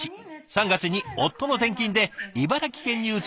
３月に夫の転勤で茨城県に移り